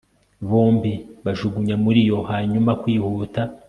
bombi bajugunya muri yo; hanyuma, kwihuta